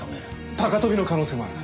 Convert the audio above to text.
高飛びの可能性もあるな。